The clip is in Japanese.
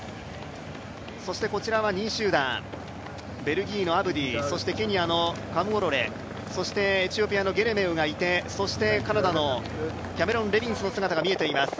そしてこちらは２位集団ベルギーのアブディ、ケニアのカムウォロレ、そしてエチオピアのゲルミサがいて、カナダのキャメロン・レビンズの姿が見えています。